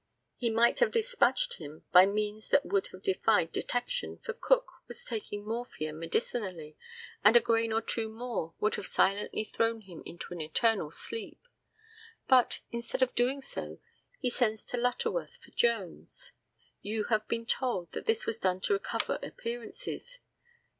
He might have despatched him by means that would have defied detection, for Cook was taking morphia medicinally, and a grain or two more would have silently thrown him into an eternal sleep. But, instead of doing so, he sends to Lutterworth for Jones. You have been told that this was done to cover appearances.